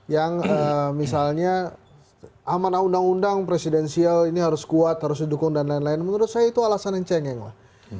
yang misalnya amanah undang undang presidensial ini harus kuat harus didukung dan lain lain menurut saya itu alasan yang cengeng lah